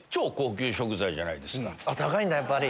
高いんだやっぱり。